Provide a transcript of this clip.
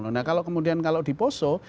nah kalau kemudian kalau diposo